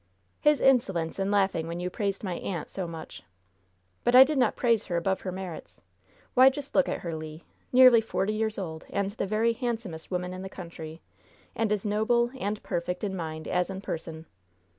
"His insolence in laughing when you praised my aunt so much!" "But I did not praise her above her merits. Why, just look at her, Le! Nearly forty years old, and the very handsomest woman in the country, and as noble and perfect in mind as in person!"